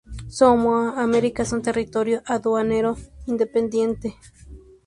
Samoa Americana es un territorio aduanero independiente.